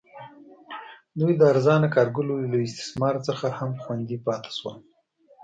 دوی د ارزانه کارګرو له استثمار څخه هم خوندي پاتې شول.